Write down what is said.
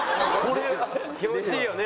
気持ちいいよね。